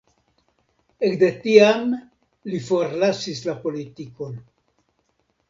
Ekde tiam li forlasis la politikon.